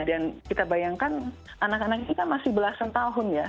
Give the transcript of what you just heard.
dan kita bayangkan anak anak ini kan masih belasan tahun ya